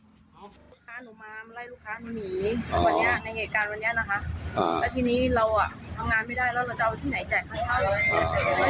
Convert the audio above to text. ลูกค้าหนูมามาไล่ลูกค้าหนูหนี